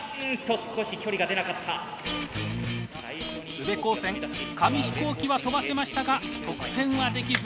宇部高専紙飛行機は飛ばせましたが得点はできず。